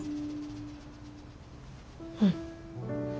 うん。